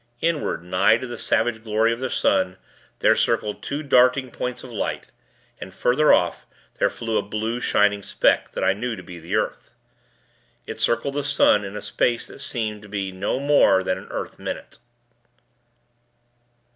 Inward, nigh to the savage glory of the sun, there circled two darting points of light, and, further off, there flew a blue, shining speck, that I knew to be the earth. It circled the sun in a space that seemed to be no more than an earth minute.